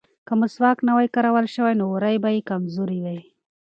که مسواک نه وای کارول شوی نو وورۍ به کمزورې وې.